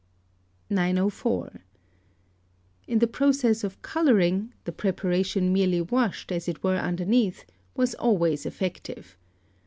Note K K. 904. In the process of colouring, the preparation merely washed as it were underneath, was always effective.